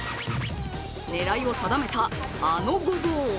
狙いを定めた、あのごぼう。